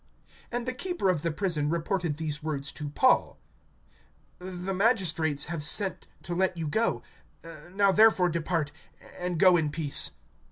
(36)And the keeper of the prison reported these words to Paul: The magistrates have sent to let you go; now therefore depart, and go in peace.